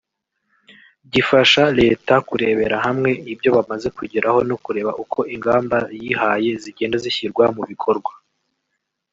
gifasha Leta kurebera hamwe ibyo bamaze kugeraho no kureba uko ingamba yihaye zigenda zishyirwa mu bikorwa